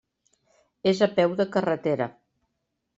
És a peu de carretera.